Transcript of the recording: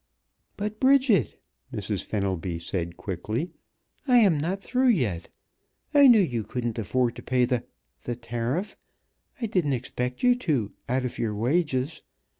"But Bridget," Mrs. Fenelby said, quickly, "I am not through yet. I knew you couldn't afford to pay the the tariff. I didn't expect you to, out of your wages.